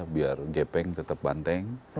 biar gepeng tetap banteng